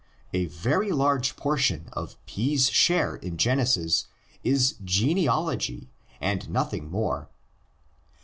A very large portion of P's share in Genesis is genealogy and nothing more.